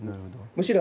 むしろ、